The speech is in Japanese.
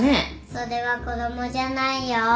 それは子供じゃないよ。